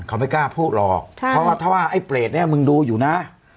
เขาไม่กล้าพูดหรอกเพราะว่าถ้าว่าไอ้เปรตเนี่ยมึงดูอยู่นะ